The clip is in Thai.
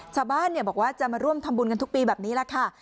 ชาวบ้านบอกว่าจะมาร่วมทำบุญกันทุกปีแบบนี้แหละค่ะ